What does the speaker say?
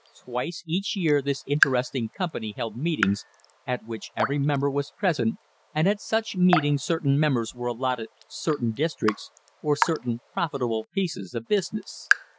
Twice each year this interesting company held meetings at which every member was present and at such meetings certain members were allotted certain districts, or certain profitable pieces of business.